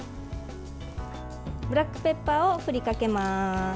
ブラックペッパーを振りかけます。